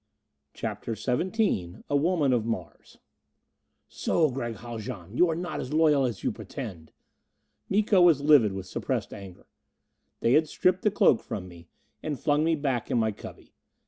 CHAPTER XVII A Woman of Mars "So, Gregg Haljan, you are not as loyal as you pretend!" Miko was livid with suppressed anger. They had stripped the cloak from me, and flung me back in my cubby.